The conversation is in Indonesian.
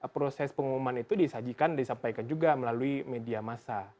proses pengumuman itu disajikan disampaikan juga melalui media massa